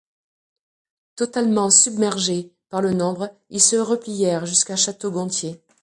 Totalement submergés par le nombre ils se replièrent jusqu'à Château-Gontier.